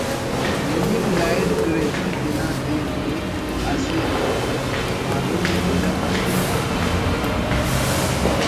William Lloyd garrison تینا دے تے اسہ بارن ءُ اِرغ اسے آ گدریفیکہ